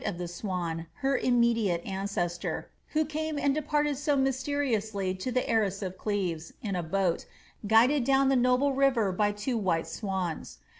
of the Swan, her immediate ancestor, who came and departed so mysta riously to the heiress of Cleves, in a hoat, guided down the noble rivft by two white swans.